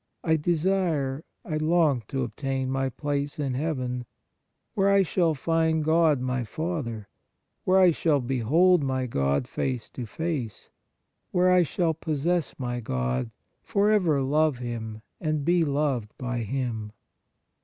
I desire, I long to obtain my place in Heaven, where I shall find God, my Father, where I shall behold my God face to face; where I shall possess my God, forever love Him and be loved by Him!